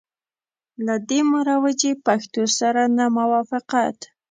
له دې مروجي پښتو سره نه موافقت.